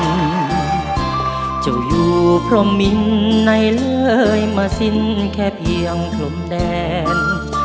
ดินจะอยู่พรหมินในเรื่อยมาสิ้นแค่เพียงกลมแดน